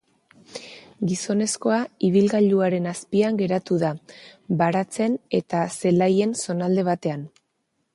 Gizonezkoa ibilgailuaren azpian geratu da, baratzen eta zelaien zonalde batean.